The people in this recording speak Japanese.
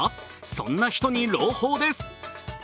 そんな人に朗報です！